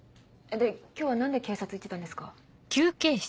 で今日は何で警察行ってたんですか？